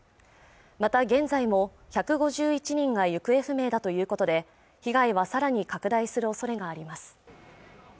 また現在も１５１人が行方不明だということで被害はさらに拡大するおそれがあります